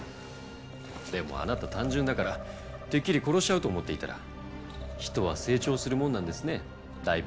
でもあなた単純だからてっきり殺しちゃうと思っていたら人は成長するもんなんですね台場